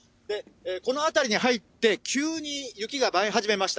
この辺りに入って、急に雪が舞い始めました。